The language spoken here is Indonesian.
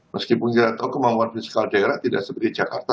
meskipun tidak tahu kemampuan fiskal daerah tidak seperti jakarta